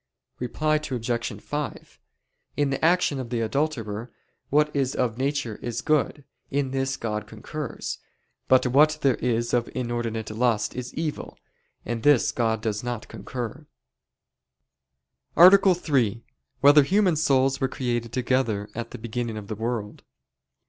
Reply Obj. 5: In the action of the adulterer, what is of nature is good; in this God concurs. But what there is of inordinate lust is evil; in this God does not concur. _______________________ THIRD ARTICLE [I, Q. 118, Art. 3] Whether Human Souls Were Created Together at the Beginning of the World?